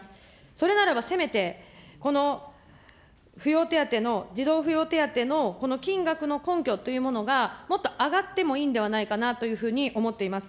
それならば、せめてこの扶養手当の、児童扶養手当のこの金額の根拠というものが、もっと上がってもいいんではないかなというふうに思っています。